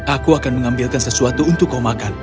aku akan mengambilkan sesuatu untuk kau makan